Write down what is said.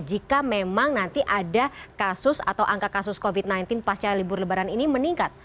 jika memang nanti ada kasus atau angka kasus covid sembilan belas pasca libur lebaran ini meningkat